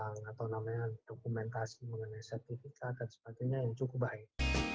mereka hanya punya dokumen tentang atau namanya dokumentasi mengenai sertifikat dan sebagainya yang cukup baik